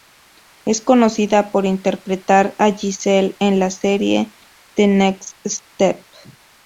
Es conocida por interpretar a Giselle en la serie "The Next Step".